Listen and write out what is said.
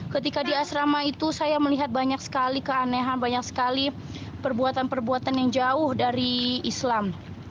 ketika di asrama itu saya melihat banyak sekali keanehan banyak sekali perbuatan perbuatan yang jauh dari islam